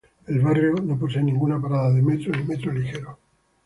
El barrio no posee ninguna parada de metro ni metro ligero.